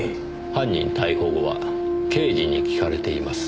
犯人逮捕後は刑事に聞かれています。